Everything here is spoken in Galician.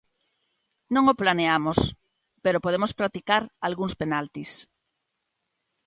Non o planeamos, pero podemos practicar algúns penaltis.